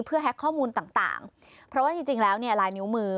เพื่อแฮ็กข้อมูลต่างเพราะว่าจริงแล้วเนี่ยลายนิ้วมือ